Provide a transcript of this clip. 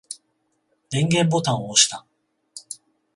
電源ボタンを押した。